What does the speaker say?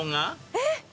えっ？